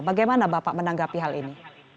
bagaimana bapak menanggapi hal ini